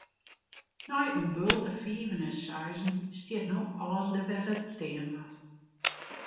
Nei in bulte fiven en seizen stiet no alles dêr wêr't it stean moat.